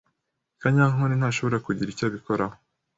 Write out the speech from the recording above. Kanyankore ntashobora kugira icyo abikoraho.